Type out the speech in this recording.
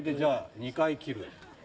２回切る。